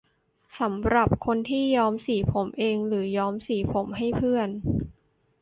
สำหรับคนที่ย้อมสีผมเอง หรือย้อมสีผมให้เพื่อน